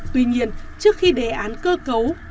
tuy nhiên trước khi đề án cơ cấu